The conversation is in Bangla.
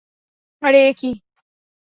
আরে এ কী?